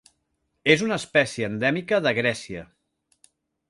És una espècie endèmica de Grècia.